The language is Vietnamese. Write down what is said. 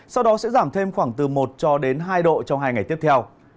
sau đó sẽ giảm thêm khoảng từ một hai độ trong hai ngày tiếp theo